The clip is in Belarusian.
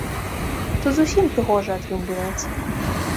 Тут зусім прыгожа атрымліваецца.